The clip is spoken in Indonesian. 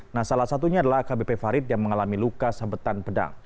nah salah satunya adalah akbp farid yang mengalami luka sabetan pedang